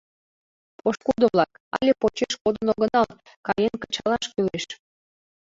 Пошкудо-влак, але почеш кодын огынал, каен кычалаш кӱлеш.